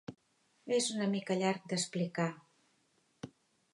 És una mica llarg d'explicar.